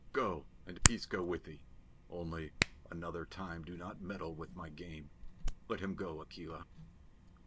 "Go, and peace go with thee. Only, another time do not meddle with my game. Let him go, Akela."